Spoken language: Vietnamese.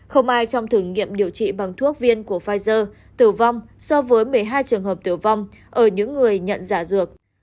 không ai trong thử nghiệm điều trị bằng thuốc viên của pfizer tử vong so với một mươi hai trường hợp tử vong ở những người nhận giả dược